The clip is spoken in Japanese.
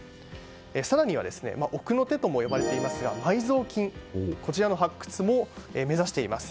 更には奥の手とも呼ばれていますが埋蔵金の発掘も目指しています。